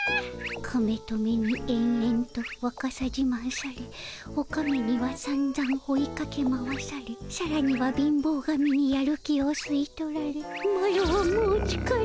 カメトメにえんえんとわかさじまんされオカメにはさんざん追いかけ回されさらには貧乏神にやる気をすい取られマロはもう力つきたで